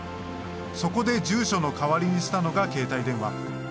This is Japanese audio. そこで住所の代わりにしたのが携帯電話。